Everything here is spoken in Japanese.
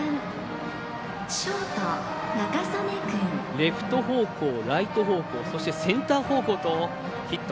レフト方向、ライト方向そして、センター方向とヒット。